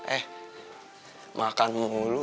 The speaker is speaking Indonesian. eh makan mulu